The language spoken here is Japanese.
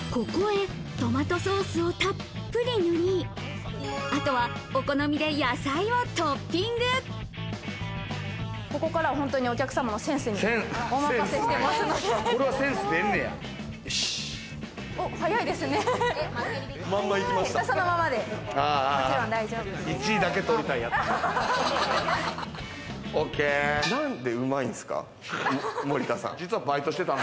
ここへトマトソースをたっぷり塗り、あとは、お好みでここからは本当にお客様のセまんま行きました。